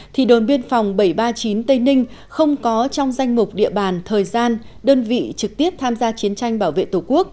thì đồn biên phòng bảy trăm ba mươi chín tây ninh không có trong danh mục địa bàn thời gian đơn vị trực tiếp tham gia chiến tranh bảo vệ tổ quốc